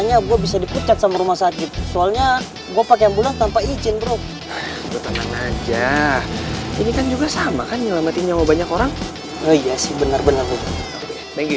yaudah sekarang kamu telepon pokoknya dia harus pulang sekarang